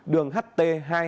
đường ht hai mươi hai